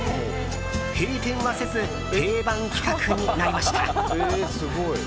閉店はせず定番企画になりました。